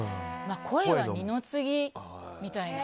声は二の次みたいな。